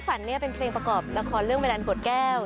แค่ฝันนี่เป็นเพลงประกอบละครเรื่องเวล่านดอดแก้ว